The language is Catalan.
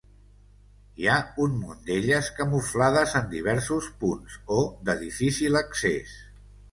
Hi ha un munt d'elles camuflades en diversos punts, o de difícil accés.